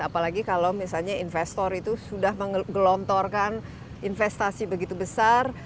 apalagi kalau misalnya investor itu sudah menggelontorkan investasi begitu besar